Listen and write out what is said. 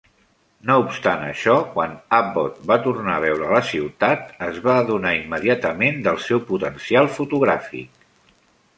No obstant això, quan Abbott va tornar a veure la ciutat, es va adonar immediatament del seu potencial fotogràfic.